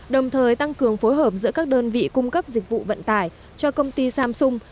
đồng thời tăng cường phối hợp giữa các đơn vị cung cấp dịch vụ vận tải cho công ty samsung